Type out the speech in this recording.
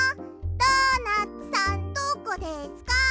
ドーナツさんどこですか？